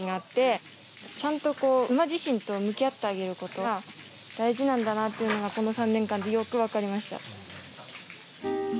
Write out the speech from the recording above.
ちゃんと馬自身と向き合ってあげることが大事なんだなっていうのがこの３年間でよく分かりました。